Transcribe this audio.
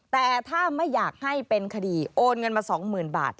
แต่ถ้าไม่อยากให้เป็นคดีโอนเงินมา๒๐๐๐บาท